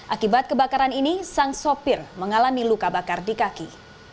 akibat kebakaran ini sang sopir mengalami luka bakar di kaki